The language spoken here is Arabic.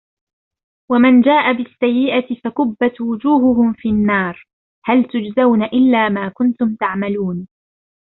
وَمَنْ جَاءَ بِالسَّيِّئَةِ فَكُبَّتْ وُجُوهُهُمْ فِي النَّارِ هَلْ تُجْزَوْنَ إِلَّا مَا كُنْتُمْ تَعْمَلُونَ